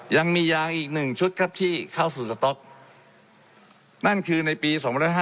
ยังมียางอีกหนึ่งชุดครับที่เข้าสู่สต๊อกนั่นคือในปี๒๕๕๙